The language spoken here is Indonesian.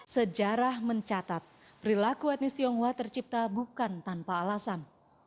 sejarah mencatat perilaku etnis tionghoa tercipta bukan tanpa alasan